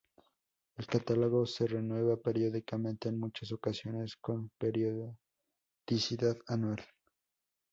El catálogo se renueva periódicamente, en muchas ocasiones con periodicidad anual.